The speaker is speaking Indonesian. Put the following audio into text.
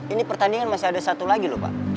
ini pertandingan masih ada satu lagi loh pak